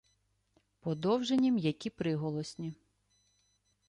Подовжені м'які приголосні